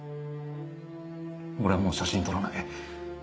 俺はもう写真は撮らない。